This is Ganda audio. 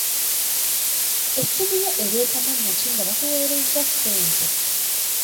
Essimu yo ereeta mannya ki nga bakuweereza ssente.